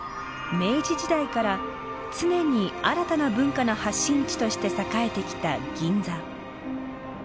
明治時代から常に新たな文化の発信地として栄えてきた銀座。